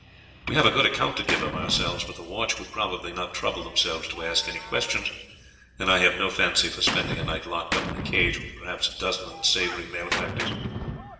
We have a good account to give of ourselves, but the watch would probably not trouble themselves to ask any questions, and I have no fancy for spending a night locked up in the cage with perhaps a dozen unsavoury malefactors.